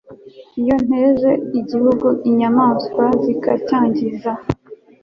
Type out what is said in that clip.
iyo nteje igihugu inyamaswa zikacyangiza